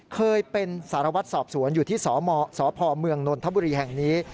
เคยเป็นสารวัตรสอบสวนอยู่ที่สพเมืองนนทบุรีแห่งนี้